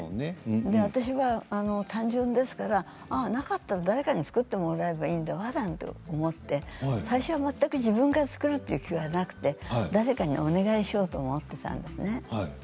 私は単純ですからなかったら誰かに作ってもらえばいいんだわと思って最初は全く自分が作るという気はなくて誰かにお願いしようと思っていたんですね。